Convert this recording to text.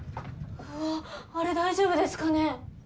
うわぁあれ大丈夫ですかね？